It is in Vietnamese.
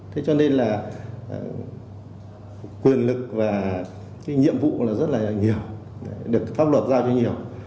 thế cho nên là quyền lực và nhiệm vụ rất là nhiều được pháp luật giao cho nhiều